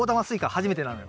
初めてなのよ。